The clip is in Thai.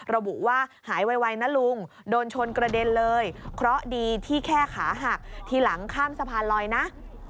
ระบุว่าหายไวนะลุงโดนชนกระเด็นเลยเพราะดีที่แค่ขาหักทีหลังข้ามสะพานลอยนะ